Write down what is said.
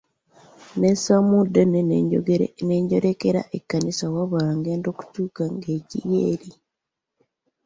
Nnessa mu ddene ne njolekera ekkanisa wabula ngenda okutuuka ng'ekiri wali!